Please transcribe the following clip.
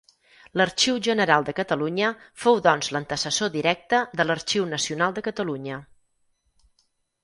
L'Arxiu General de Catalunya fou doncs l'antecessor directe de l'Arxiu Nacional de Catalunya.